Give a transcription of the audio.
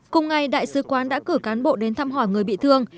cùng ngày đại sứ quán đã cử cán bộ đến thăm hỏi người bị thương